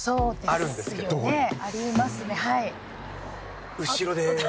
ありますねはい。